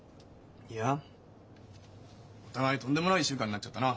いやお互いとんでもない１週間になっちゃったな。